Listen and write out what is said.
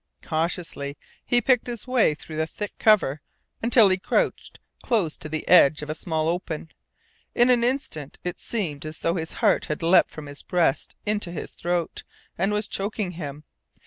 Cautiously he picked his way through the thick cover until he crouched close to the edge of a small open. In an instant it seemed as though his heart had leapt from his breast into his throat, and was choking him.